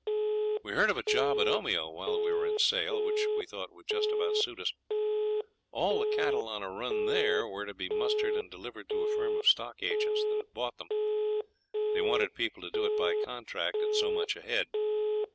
We heard of a job at Omeo while we were in Sale, which we thought would just about suit us. All the cattle on a run there were to be mustered and delivered to a firm of stock agents that had bought them; they wanted people to do it by contract at so much a head.